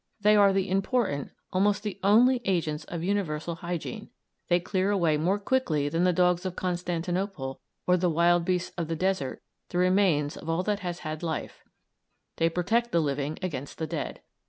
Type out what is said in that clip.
They are the important, almost the only, agents of universal hygiene; they clear away more quickly than the dogs of Constantinople or the wild beasts of the desert the remains of all that has had life; they protect the living against the dead.